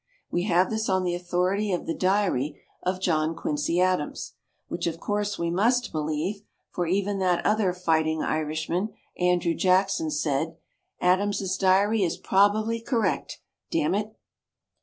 We have this on the authority of the "Diary" of John Quincy Adams, which of course we must believe, for even that other fighting Irishman, Andrew Jackson, said, "Adams' Diary is probably correct damn it!"